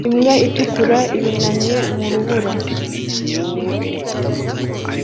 Imbwa itukura yunamye mu rubura